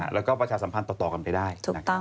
แล้วก็ประชาสัมพันธ์ต่อกันไปได้